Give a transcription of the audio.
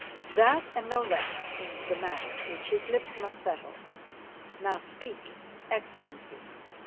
That and no less is the matter which his lips must settle. Now speak, Excellency."